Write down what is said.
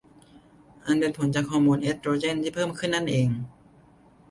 อันเป็นผลมาจากฮอร์โมนเอสโตรเจนที่เพิ่มขึ้นนั่นเอง